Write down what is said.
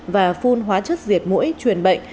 và phun hóa chất diệt mũi truyền bệnh